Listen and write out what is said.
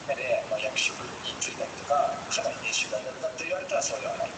They were often isolated from the rest of Southern society and civilization.